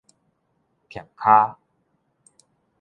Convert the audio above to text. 疊跤